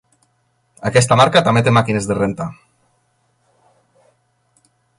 Aquesta marca també té màquines de rentar.